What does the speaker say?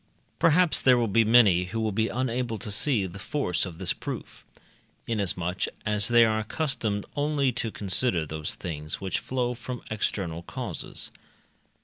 Perhaps there will be many who will be unable to see the force of this proof, inasmuch as they are accustomed only to consider those things which flow from external causes.